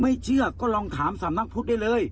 ไม่เชื่อก็ลองถามสำนักพุทธได้เลย